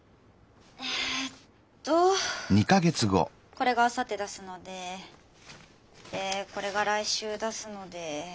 これがあさって出すのでえこれが来週出すので。